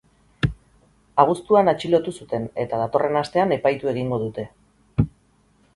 Abuztuan atxilotu zuten eta datorren astean epaitu egingo dute.